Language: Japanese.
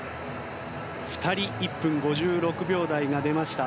２人１分５６秒台が出ました。